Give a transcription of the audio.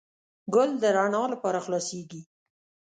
ګل د رڼا لپاره خلاصیږي.